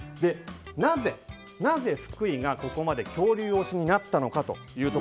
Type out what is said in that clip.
なぜ福井がここまで恐竜推しになったのか。